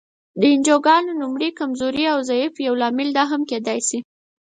د انجوګانو د نوموړې کمزورۍ او ضعف یو لامل دا هم کېدای شي.